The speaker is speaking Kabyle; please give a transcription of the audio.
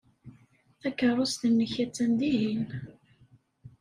Takeṛṛust-nnek attan dihin.